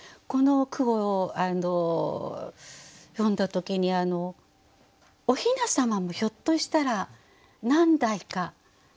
この句を読んだ時におひなさまもひょっとしたら何代か。